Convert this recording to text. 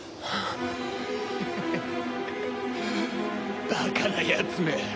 フフフッバカなやつめ。